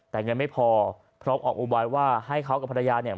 แต่เงินไม่พอพร้อมออกอุบายว่าให้เขากับภรรยาเนี่ย